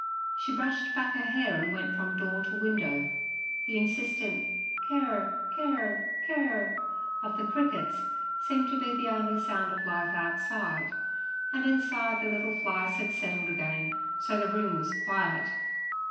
She brushed back her hair and went from door to window. The insistent 'Kirr, kirr, kirr' of the crickets seemed to be the only sound of life outside, and inside the little flies had settled again, so the room was quiet.